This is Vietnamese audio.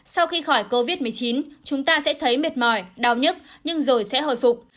sau khi khỏi covid một mươi chín chúng ta sẽ thấy mệt mỏi đau nhức nhưng rồi sẽ hồi phục